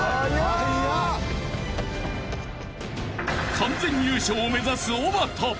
［完全優勝を目指すおばた］